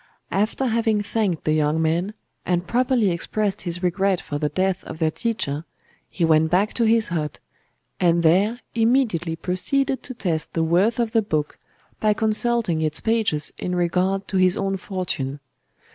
After having thanked the young men, and properly expressed his regret for the death of their teacher, he went back to his hut, and there immediately proceeded to test the worth of the book by consulting its pages in regard to his own fortune.